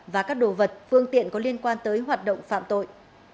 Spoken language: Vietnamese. và các đồ vật phương tiện có liên quan tới hoạt động phạm tội